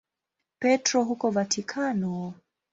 Petro huko Vatikano.